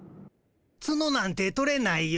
ツノなんて取れないよ。